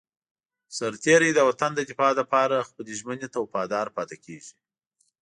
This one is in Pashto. سرتېری د وطن د دفاع لپاره خپلې ژمنې ته وفادار پاتې کېږي.